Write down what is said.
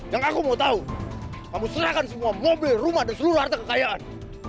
yang aku mau tahu kamu serahkan semua mobil rumah dan seluruh harta kekayaan